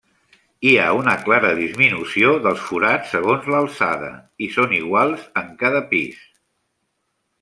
Hi ha una clara disminució dels forats segons l'alçada, i són iguals en cada pis.